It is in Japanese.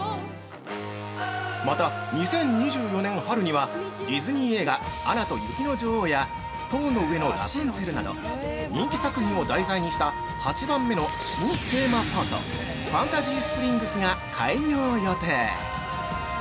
また、２０２４年春にはディズニー映画「アナと雪の女王」や「塔の上のラプンツェル」など、人気作品を題材にした８番目の新テーマポート「ファンタジースプリングス」が開業予定！